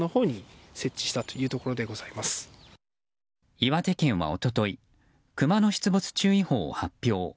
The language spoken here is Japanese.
岩手県は、おとといクマの出没注意報を発表。